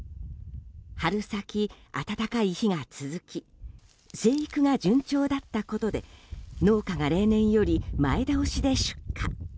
春先、暖かい日が続き生育が順調だったことで農家が例年より前倒しで出荷。